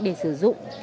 để sử dụng